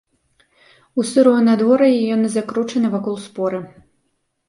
У сырое надвор'е яны закручаны вакол споры.